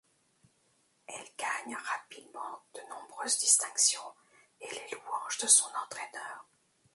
Elle gagne rapidement de nombreuses distinctions et les louanges de son entraîneur.